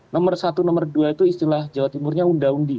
nomor satu nomor dua itu istilah jawa timurnya unda undi